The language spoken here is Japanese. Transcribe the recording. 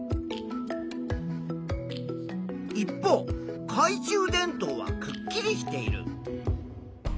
一方かい中電灯はくっきりしている。